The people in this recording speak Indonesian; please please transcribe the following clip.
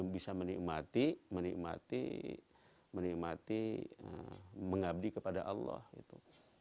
bisa menikmati menikmati mengabdi kepada allah gitu